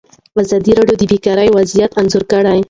ازادي راډیو د بیکاري وضعیت انځور کړی.